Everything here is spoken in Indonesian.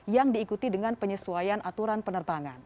yang diikuti dengan penyesuaian aturan penerbangan